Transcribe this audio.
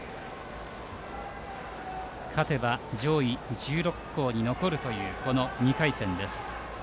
勝てば上位１６校に残るという２回戦です。